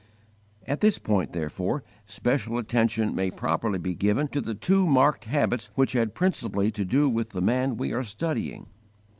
At this point, therefore, special attention may properly be given to the two marked habits which had principally to do with the man we are studying.